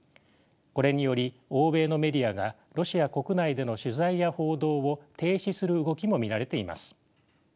これにより欧米のメディアがロシア国内での取材や報道を停止する動きも見られています。